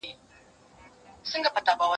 زه هره ورځ د سبا لپاره د ليکلو تمرين کوم!.